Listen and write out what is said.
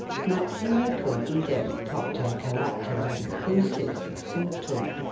maxime 5 cum idem propter caracterem crusis assumptum.